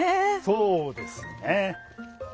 そうですね。